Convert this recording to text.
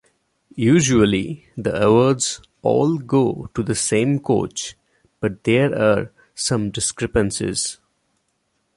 Usually the awards all go to the same coach but there are some discrepancies.